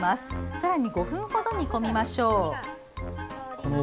さらに５分間ほど煮込みましょう。